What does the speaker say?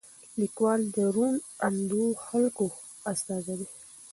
لیکوال د روڼ اندو خلکو استازی دی.